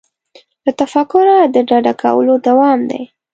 له تفکره د ډډه کولو دوام دی.